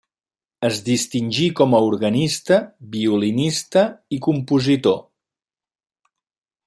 Es distingí com a organista, violinista i compositor.